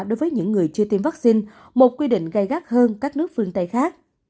đối với những người chưa tiêm vaccine một quy định gai gắt hơn các nước phương tây khác